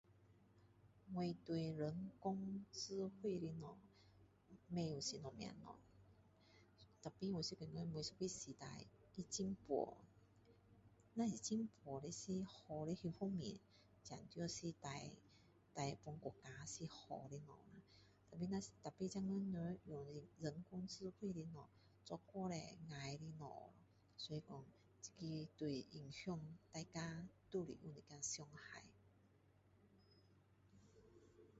我对人工智慧的没有什么感觉tapi 每个时代都有他的进步如果进步是好的一方面这对我们是好的东西tapi 现在的人最太多坏的东西了所以说这个对影响大家都是有一点伤害的